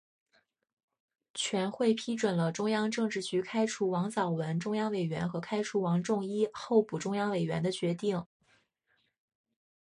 全会批准了中央政治局开除王藻文中央委员和开除王仲一候补中央委员的决定。